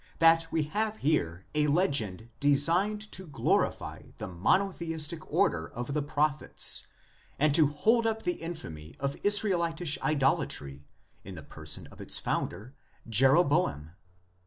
473 we have here a legend designed to glorify the monotheistic order of prophets, and to hold up to infamy the Israelitish idolatry in the person of its founder Jeroboam?